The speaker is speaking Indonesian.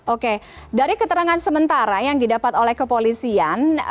oke dari keterangan sementara yang didapat oleh kepolisian